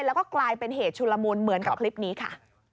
แล้วก็กลายเป็นเหตุชุลมุนเหมือนกับคลิปนี้ค่ะ